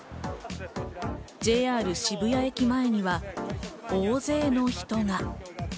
ＪＲ渋谷駅前には大勢の人が。